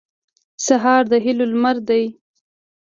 سهار د هیلو لمر دی.